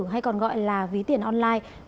hay còn gọi là ví tiền online